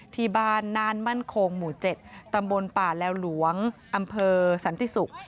ที่บ้านน่านมั่นคงหมู่๗ตำบลป่าแลวหลวงอำเภอสันติศุกร์